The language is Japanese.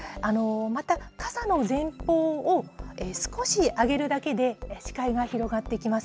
また、傘の前方を少し上げるだけで、視界が広がってきます。